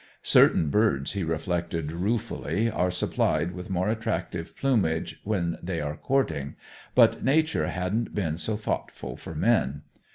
Certain birds, he reflected ruefully, are supplied with more attractive plumage when they are courting, but nature hadn't been so thoughtful for men.